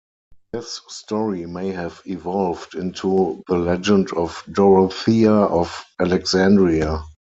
This story may have evolved into the legend of Dorothea of Alexandria.